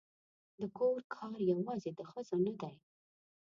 د کور کار یوازې د ښځو نه دی